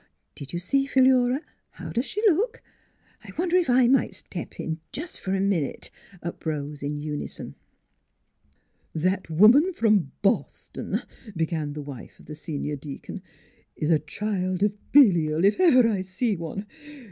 "Did you see Philura?" "How does she look?'* NEIGHBORS 63 " I wonder if / might step in, f'r just a min ute," uprose in unison. " That woman from Bos ton," began the wife of the senior deacon, u is a child of Be lial, if ever I see one.